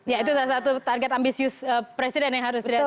ya itu salah satu target ambisius presiden yang harus dilakukan